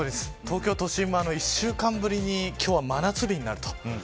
東京都心も１週間ぶりに今日は真夏日になると。